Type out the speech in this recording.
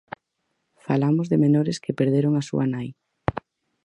Falamos de menores que perderon a súa nai.